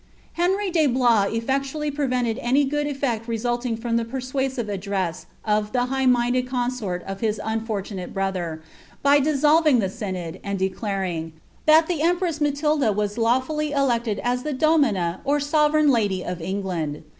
* Henry dc Bluia eflectually prevented any good eflect resulting from the persuasive ad dress of the high minded consort of his unfortuuaie brother, by ifit solving the synod, and declaring '^ that the empress Matilda was lawfully elected as the domina or sovereign lady of England."